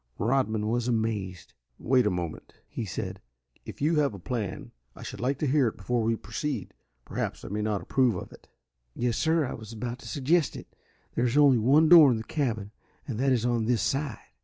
Rodman was amazed. "Wait a moment," he said. "If you have a plan I should like to hear it before we proceed. Perhaps I may not approve of it." "Yes, sir, I was about to suggest it. There is only one door in the cabin, and that is on this side.